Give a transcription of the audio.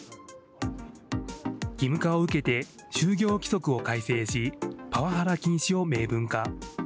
義務化を受けて、就業規則を改正し、パワハラ禁止を明文化。